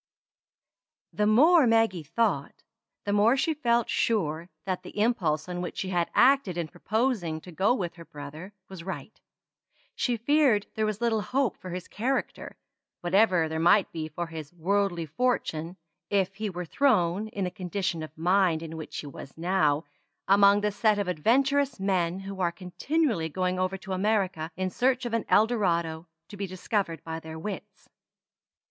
The more Maggie thought, the more she felt sure that the impulse on which she had acted in proposing to go with her brother was right. She feared there was little hope for his character, whatever there might be for his worldly fortune, if he were thrown, in the condition of mind in which he was now, among the set of adventurous men who are continually going over to America in search of an El Dorado to be discovered by their wits.